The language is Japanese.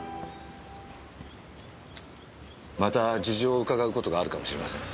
また事情をうかがう事があるかもしれません。